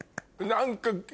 何か。